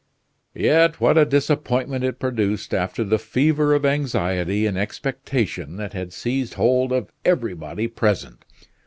XIX Yet what a disappointment it produced after the fever of anxiety and expectation that had seized hold of everybody present.